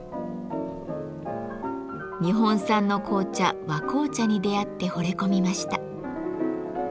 日本産の紅茶「和紅茶」に出会ってほれ込みました。